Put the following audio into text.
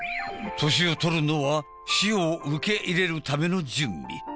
年を取るのは死を受け入れるための準備。